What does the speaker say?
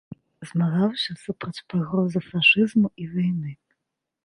Змагаўся супраць пагрозы фашызму і вайны.